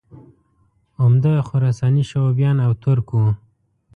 عمده خراساني شعوبیان او ترک وو